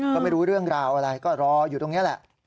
ก็ไม่รู้เรื่องราวอะไรก็รออยู่ตรงนี้แหละ